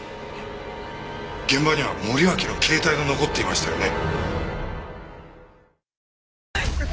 現場には森脇の携帯が残っていましたよね？